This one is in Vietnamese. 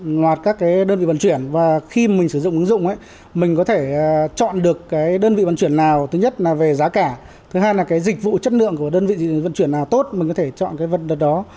ngoạt các cái đơn vị vận chuyển và khi mình sử dụng ứng dụng ấy mình có thể chọn được cái đơn vị vận chuyển nào thứ nhất là về giá cả thứ hai là cái dịch vụ chất lượng của đơn vị vận chuyển nào tốt mình có thể chọn cái vật đợt đó